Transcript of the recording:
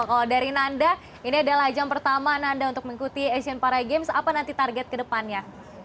kalau dari nanda ini adalah ajang pertama ananda untuk mengikuti asian para games apa nanti target kedepannya